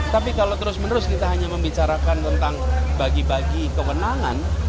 tapi kalau terus menerus kita hanya membicarakan tentang bagi bagi kewenangan